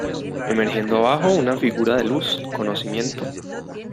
Emergiendo abajo, una figura de luz: conocimiento.